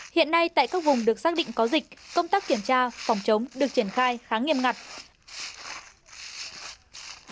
hiện nay tại các vùng được xác định có dịch công tác kiểm tra phòng chống được triển khai khá nghiêm ngặt